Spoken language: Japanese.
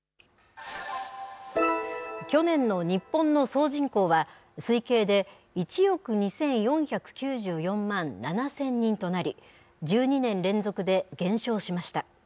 去年の日本の総人口は、推計で１億２４９４万７０００人となり、１２年連続で減少しました。